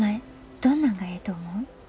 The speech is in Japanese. どんなんがええと思う？